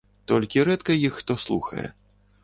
Толькі рэдка іх хто слухае.